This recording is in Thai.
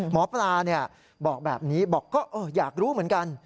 หมอปลาบอกแบบนี้บอกก็อยากรู้เหมือนกัน